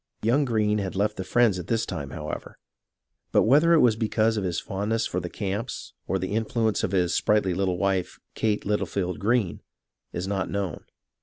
Young Greene had left the Friends at this time, however, but whether it was because of his fondness for the camps or the influ ence of his sprightly little wife, Kate Littlefield Greene, is not known.